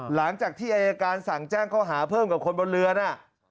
หลังจากที่อายการสั่งแจ้งข้อหาเพิ่มกับคนบนเรือน่ะ